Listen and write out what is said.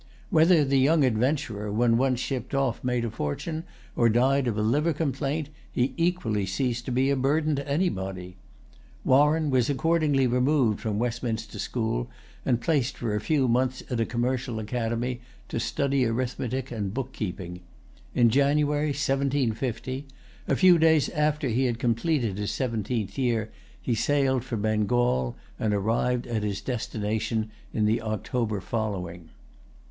Whether the young adventurer, when once shipped off, made a fortune, or died of a liver complaint, he equally ceased to be a burden to anybody. Warren was accordingly removed from Westminster school, and placed for a few months at a commercial academy, to study arithmetic and book keeping. In January, 1750, a few days after he had completed his seventeenth year, he sailed for Bengal, and arrived at his destination in the October following.